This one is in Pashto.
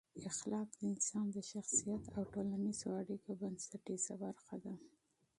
اخلاق د انسان د شخصیت او ټولنیزو اړیکو بنسټیزه برخه ده.